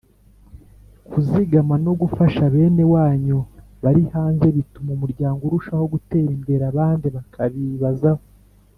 kuzigama no gufasha bene wanyu bari hanze bituma umuryango urushaho gutera imbere abandi bakabibazaho